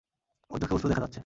ওর চোখে অশ্রু দেখা যাচ্ছে!